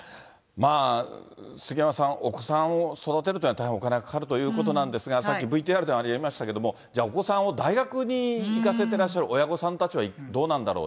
杉山さん、お子さんを育てるというのは大変お金がかかるということなんですが、さっきＶＴＲでもありましたけれども、じゃあ、お子さんを大学に行かせてらっしゃる親御さんたちはどうなんだろう。